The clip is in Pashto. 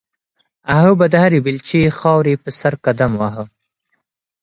هغه به د هرې بیلچې خاورې په سر قدم واهه.